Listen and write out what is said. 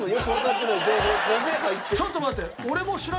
ちょっと待て。